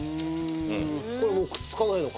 これもくっつかないのか。